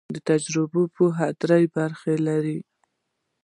تجربوي پوهه درې برخې لري.